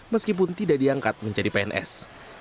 meskipun tidak diangkat menjadi pns